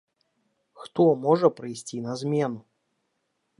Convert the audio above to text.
Хто можа прыйсці на змену?